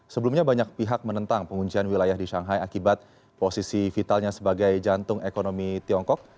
sebelumnya banyak pihak menentang penguncian wilayah di shanghai akibat posisi vitalnya sebagai jantung ekonomi tiongkok